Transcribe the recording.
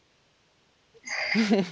フフフ。